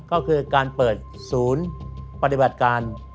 ก็คือการเปิดศูนย์ปฏิบัติการ